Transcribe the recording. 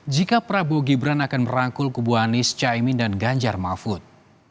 jika prabowo gibran akan merangkul kubu anies caimin dan ganjar mahfud